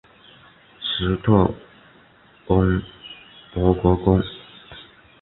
施特恩伯格宫。